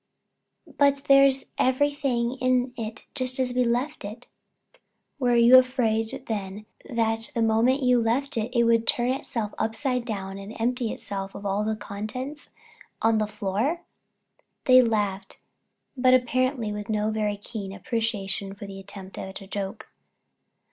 "But there's everything in it just as we left it." "Were you afraid, then, that the moment you left it it would turn itself upside down, and empty itself of all its contents on the floor?" They laughed, but apparently with no very keen appreciation of the attempt at a joke.